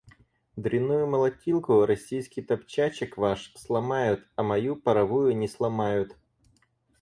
Дрянную молотилку, российский топчачек ваш, сломают, а мою паровую не сломают.